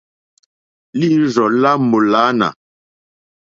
Lǐīrzɔ́ lá mòlânà.